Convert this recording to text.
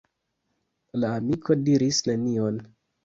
La amiko diris nenion.